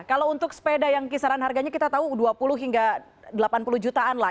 kalau untuk sepeda yang kisaran harganya kita tahu dua puluh hingga delapan puluh jutaan lah